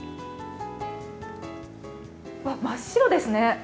わっ、真っ白ですね。